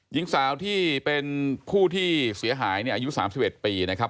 หญิงสาวที่เป็นผู้ที่เสียหายเนี่ยอายุ๓๑ปีนะครับ